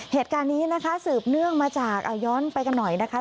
เหตุการณ์นี้นะคะสืบเนื่องมาจากเอาย้อนไปกันหน่อยนะคะ